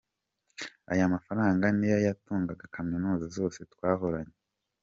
Ayo mafaranga niyo yatungaga kaminuza zose twahoranye.